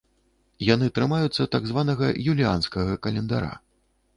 Яны трымаюцца так званага юліянскага календара.